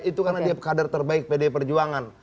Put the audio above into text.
itu karena dia kader terbaik pdi perjuangan